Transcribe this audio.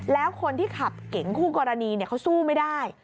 แล้วคนที่ขับเก๋งคู่กรณีเขาสู้ไม่ได้